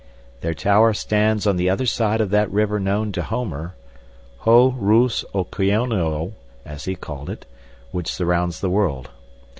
Their tower stands on the other side of that river known to Homer ho rhoos okeanoio, as he called it which surrounds the world.